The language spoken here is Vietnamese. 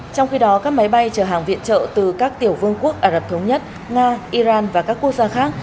trong khi đó các máy bay chở hàng viện trợ từ các tiểu vương quốc ả rập thống nhất nga iran và các quốc gia khác